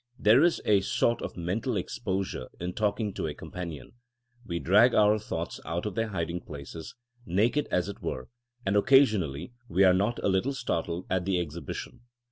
There is a sort of mental exposure in talking to a companion; we drag our thoughts out of their hiding places, naked as it were, and occasionally we are not a little startled at the exhibition.